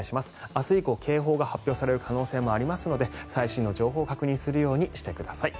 明日以降、警報が発表される可能性もありますので最新の情報を確認するようにしてください。